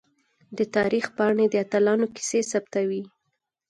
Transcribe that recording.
د تاریخ پاڼې د اتلانو کیسې ثبتوي.